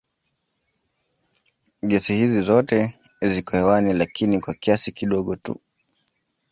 Gesi hizi zote ziko hewani lakini kwa kiasi kidogo tu.